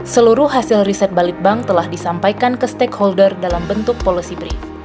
seluruh hasil riset balitbank telah disampaikan ke stakeholder dalam bentuk policy brief